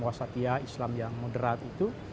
wasatiyah islam yang moderat itu